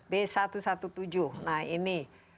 b satu ratus tujuh belas nah ini